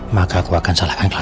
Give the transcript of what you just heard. maka aku akan salahkan